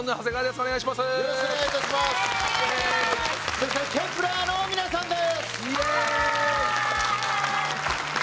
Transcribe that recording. そしてＫｅｐ１ｅｒの皆さんです。